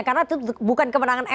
karena itu bukan kemenangan mk ya